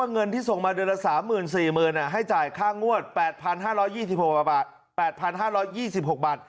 เงินที่ส่งมาเดือนละ๓๔๐๐๐ให้จ่ายค่างวด๘๕๒๖๘๕๒๖บาท